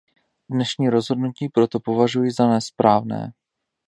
Dnešní rozhodnutí proto považuji za nesprávné.